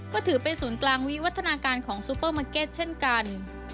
ก็ถือเป็นศูนย์กลางวิวัฒนาการของซูเปอร์มาร์เก็ตเช่นกัน